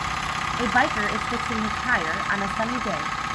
A biker is fixing his tire on a sunny day